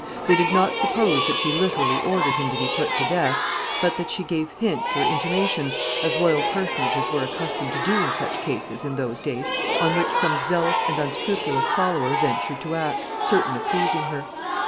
They did not suppose that she literally ordered him to be put to death, but that she gave hints or intimations, as royal personages were accustomed to do in such cases in those days, on which some zealous and unscrupulous follower ventured to act, certain of pleasing her.